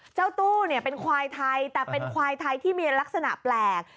เจ้าตู้เนี่ยเป็นควายไทยแต่เป็นควายไทยที่มีลักษณะแปลก